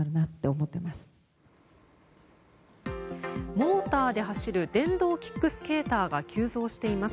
モーターで走る電動キックスケーターが急増しています。